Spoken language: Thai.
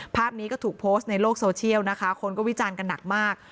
ภาพนี้ก็ถูกโพสต์ในโลกโซเชียลนะคะคนก็วิจารณ์กันหนักมาก